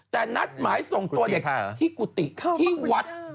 แต่นัดหมายส่งตัวเด็กที่กุฏิที่วัด